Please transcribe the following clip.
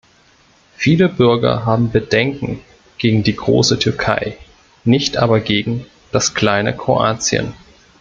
Viele Bürger haben Bedenken gegen die große Türkei, nicht aber gegen das kleine Kroatien.